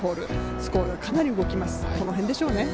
スコアがかなり動きます、この辺でしょうね。